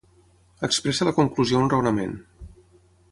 Expressa la conclusió a un raonament.